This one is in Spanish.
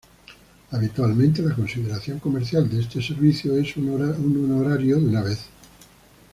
Habitualmente la consideración comercial de este servicio es un honorario de una vez.